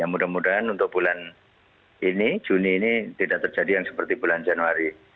mudah mudahan untuk bulan ini juni ini tidak terjadi yang seperti bulan januari